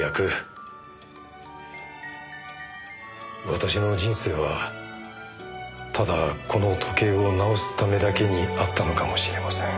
私の人生はただこの時計を直すためだけにあったのかもしれません。